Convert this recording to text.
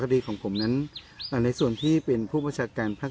ดีของผมนั้นในส่วนที่เป็นผู้ประชาการภาค